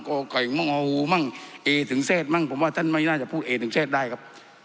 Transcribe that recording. ไก่มั่งอูมั่งเอถึงเศษมั่งผมว่าท่านไม่น่าจะพูดเอถึงเศษได้ครับ